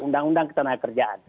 undang undang ketenangan kerjaan